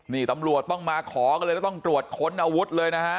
นี่ตำรวจต้องมาขอกันเลยแล้วต้องตรวจค้นอาวุธเลยนะฮะ